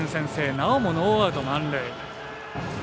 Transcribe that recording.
なおもノーアウト、満塁。